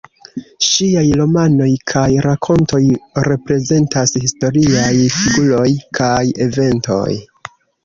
Ŝiaj romanoj kaj rakontoj reprezentas historiaj figuroj kaj eventoj.